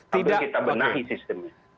tapi kita benahi sistemnya